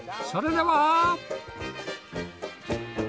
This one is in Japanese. それでは。